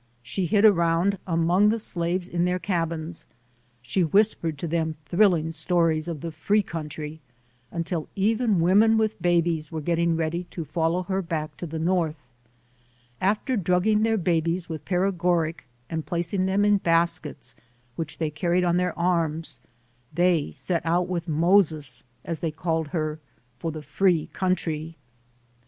She hid around among the slaves in their cabins. She whispered to them thrilling stories of the free country, until even women with babies were get ting ready to follow her back to the North. After drugging their babies with paregoric and placing HARRIET TUBMAN [ 95 them in baskets which they carried on their arms, they set out with "Moses", as they called her, for the free country.